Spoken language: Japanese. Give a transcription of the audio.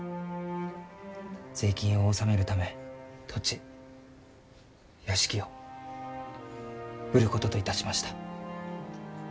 税金を納めるため土地屋敷を売ることといたしました。